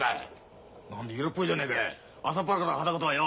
何だ色っぽいじゃねえかい朝っぱらから裸とはよ。